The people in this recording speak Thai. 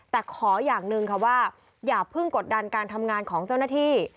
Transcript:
แต่ขออย่างหนึ่งค่ะว่าอย่าเพิ่งกดดันการทำงานของเจ้าหน้าที่